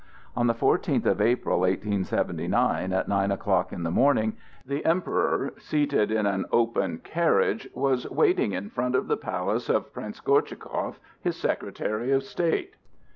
On the fourteenth of April, 1879, at nine o'clock in the morning, the Emperor, seated in an open carriage, was waiting in front of the palace of Prince Gortschakoff, his Secretary of State.